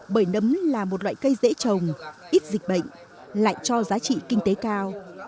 bởi nấm là một loại cây dễ trồng ít dịch bệnh lại cho giá trị kinh tế cao